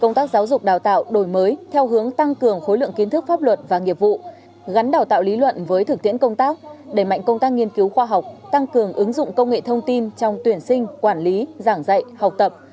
công tác giáo dục đào tạo đổi mới theo hướng tăng cường khối lượng kiến thức pháp luật và nghiệp vụ gắn đào tạo lý luận với thực tiễn công tác đẩy mạnh công tác nghiên cứu khoa học tăng cường ứng dụng công nghệ thông tin trong tuyển sinh quản lý giảng dạy học tập